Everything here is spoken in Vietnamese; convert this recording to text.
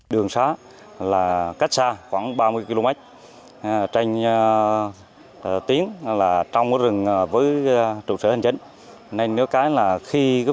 đường xã là cách xa khoảng ba mươi km tranh tiếng là trong rừng với trụ sở hành chấn